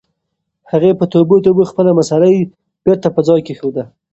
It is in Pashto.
هغې په توبو توبو خپله مصلّی بېرته په ځای کېښوده.